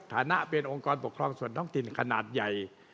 ฐานะเป็นองค์กรปกครองส่วนท้องถิ่นขนาดใหญ่